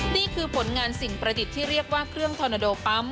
นี่คือผลงานสิ่งประดิษฐ์ที่เรียกว่าเครื่องทอนาโดปั๊ม